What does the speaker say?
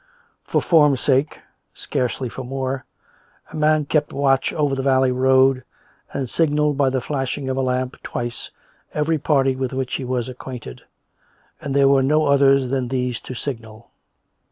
For form's sake — scarcely for more — a man kept watch over the valley road, and signalled by the flashing of a lamp twice every party with which he was acquainted, and there were no others than these to signal.